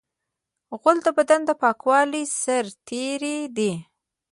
غول د بدن د پاکولو سرتېری دی.